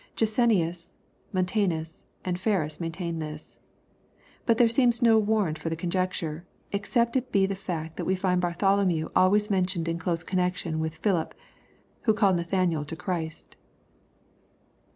Jansenius, Montanus, and Ferns maintain this. But there seems no warrant for the conjecture, except it be the fact that we find Bartholomew always mentioned in close connexion with Philip, who called Nathanael to Christ.